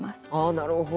なるほど。